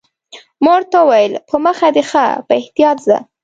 ما ورته وویل: په مخه دې ښه، په احتیاط ځه.